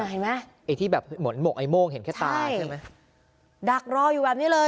เห็นไหมไอ้ที่แบบเหมือนหมกไอโม่งเห็นแค่ตาใช่ไหมดักรออยู่แบบนี้เลย